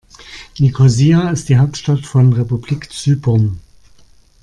Nikosia ist die Hauptstadt von Republik Zypern.